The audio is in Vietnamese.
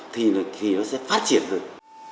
thì nó sẽ phát triển rồi